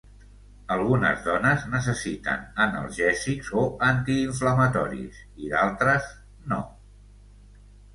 Algunes dones necessiten analgèsics o antiinflamatoris i d'altres no.